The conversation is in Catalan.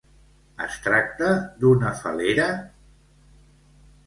Es tracta d'una fal·lera?